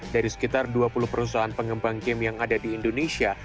dari sekitar dua puluh perusahaan pengembang game yang ada di indonesia